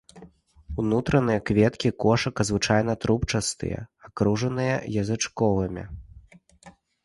Унутраныя кветкі кошыка звычайна трубчастыя, акружаныя язычковымі.